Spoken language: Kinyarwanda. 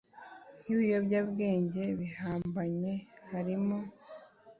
nk’ibiyobyabwenge bihambaye harimo